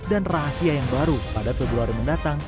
dan rahasia yang baru pada februari mendatang